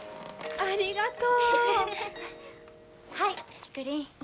ありがとう。